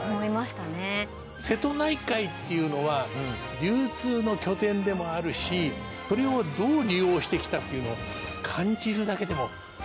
瀬戸内海っていうのは流通の拠点でもあるしそれをどう利用してきたっていうのを感じるだけでもうれしいじゃないですか。